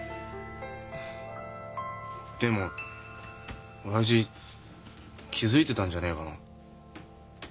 でも親父気付いてたんじゃねえかな？